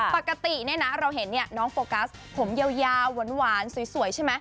ปกติเนี่ยนะเราเห็นน้องโฟกัสผมยาวหวานสวยใช่ไหม